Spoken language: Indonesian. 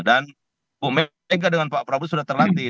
dan ibu mega dengan pak prabowo sudah terlatih